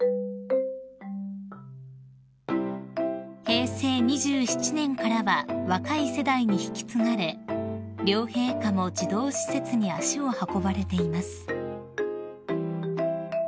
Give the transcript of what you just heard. ［平成２７年からは若い世代に引き継がれ両陛下も児童施設に足を運ばれています］